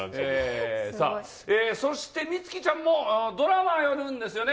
さあ、そして充希ちゃんも、ドラマやるんですよね。